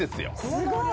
すごい！